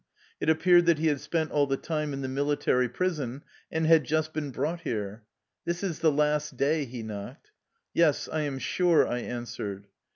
It appeared that he had spent all the time in the military prison, and had just been brought here. " This is the last day," he knocked. " Yes, I am sure," I answered.